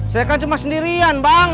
saya kan cuma sendirian bang